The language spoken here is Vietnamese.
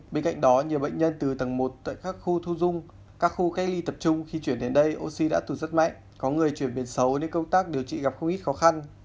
bên cạnh đó nhiều bệnh nhân từ tầng một tại các khu thu dung các khu cách ly tập trung khi chuyển đến đây oxy đã tù rất mạnh có người chuyển biến xấu nên công tác điều trị gặp không ít khó khăn